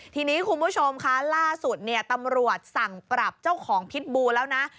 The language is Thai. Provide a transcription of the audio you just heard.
ทีนี้คุณผู้ชมคะล่าสุดเนี่ยตำรวจสั่งปรับเจ้าของพิษบูแล้วนะ